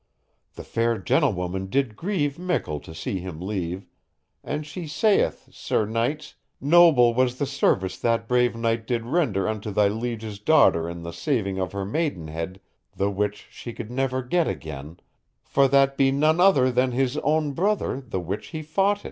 The fair gentlewoman did grieve mickle to see him leave, and she saith, sir knights, noble was the service that brave knight did render unto thy liege's daughter in the saving of her maidenhead the which she could never get again, for that be none other than his own brother the which he fauted.